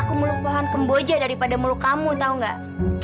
aku meluk pohon kemboja daripada meluk kamu tau gak